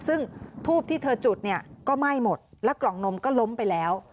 ซึ่งทูบที่เธอจุดเนี่ยก็ไหม้หมดแล้วกล่องนมก็ล้มไปแล้ว